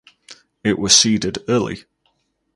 It was seeded early.